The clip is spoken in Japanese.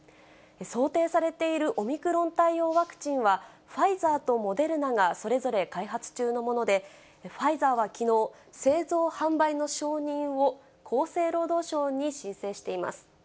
想定されているオミクロン対応ワクチンは、ファイザーとモデルナがそれぞれ開発中のもので、ファイザーはきのう、製造販売の承認を厚生労働省に申請しています。